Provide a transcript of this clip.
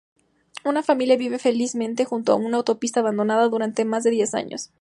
Una familia vive felizmente junto a una autopista abandonada durante más de diez años.